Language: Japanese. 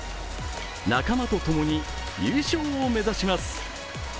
仲間とともに優勝を目指します。